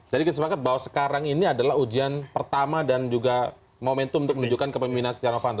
jadi kita semangat bahwa sekarang ini adalah ujian pertama dan juga momentum untuk menunjukkan kepemimpinan setia novanto